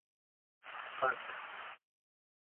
پئگ